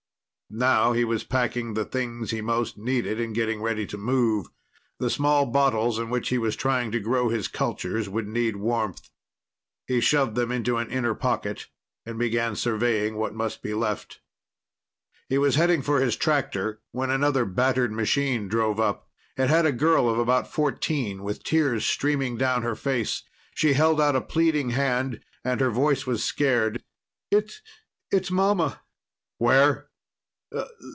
Now he was packing the things he most needed and getting ready to move. The small bottles in which he was trying to grow his cultures would need warmth. He shoved them into an inner pocket, and began surveying what must be left. He was heading for his tractor when another battered machine drove up. It had a girl of about fourteen, with tears streaming down her face. She held out a pleading hand, and her voice was scared. "It's it's mama!" "Where?"